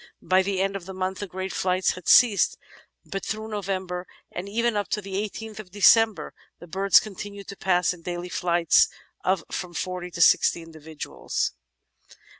By the end of the month the great flights had ceased, but through November, and even up to the 18th December, the birds continued to pass in "daily flights of from forty to sixty individuals."